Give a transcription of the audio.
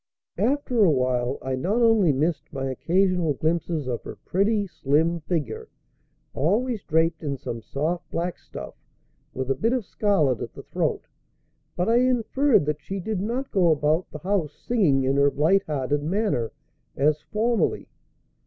After a while I not only missed my occasional glimpses of her pretty, slim figure, always draped in some soft black stuff with a bit of scarlet at the throat, but I inferred that she did not go about the house singing in her light hearted manner, as formerly.